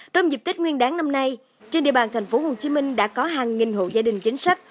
trong dịp tết nguyên đáng năm nay trên địa bàn thành phố hồ chí minh đã có hàng nghìn hộ gia đình chính sách